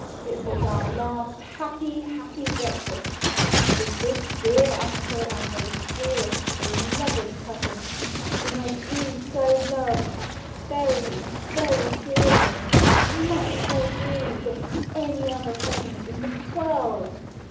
It was our last happy happy breakfast, with this dear Uncle and those dearest, beloved Cousins, whom I do love so vkry vi:ry dearly ; much more dearly than any other Cousins in the world.